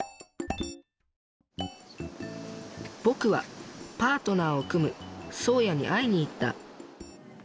僕はパートナーを組むそうやに会いに行った。